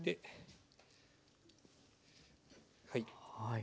はい。